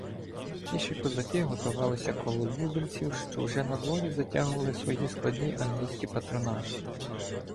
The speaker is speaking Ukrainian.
Піші козаки гуртувалися коло лубенців, що вже надворі затягували свої складні англійські патронташі.